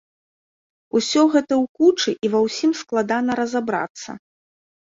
Усё гэта ў кучы і ва ўсім складана разабрацца.